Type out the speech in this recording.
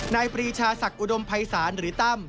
นายปรีชาศักดมภัยศาลหรือตั้ม